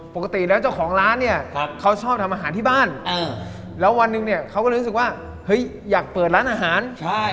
ปกติแล้วเจ้าของร้านเนี่ยเขาชอบทำอาหารที่บ้านแล้ววันหนึ่งเนี่ยเขาก็เลยรู้สึกว่าเฮ้ยอยากเปิดร้านอาหารใช่